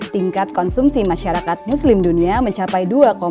tingkat konsumsi masyarakat muslim dunia mencapai dua empat